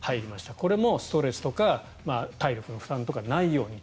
これもストレスとか体力の負担とかがないようにと。